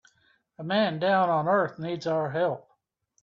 A man down on earth needs our help.